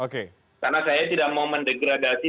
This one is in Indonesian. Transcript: karena saya tidak mau mendegradasi